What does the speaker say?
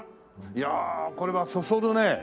いやこれはそそるね。